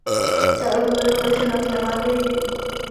Karel Doležal je ženatý a má dvě děti.